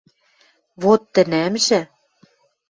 Вот тӹнӓмжӹ